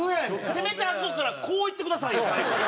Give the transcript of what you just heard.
せめてあそこからこういってくださいよ最後。